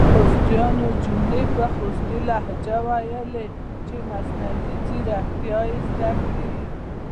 خوستیانو جملي په خوستې لهجه لولۍ چې مصنوعي ځیرکتیا یې زده کړې!